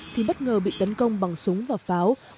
thì bất ngờ bị tấn công bằng súng và pháo